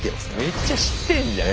めっちゃ知ってんじゃん。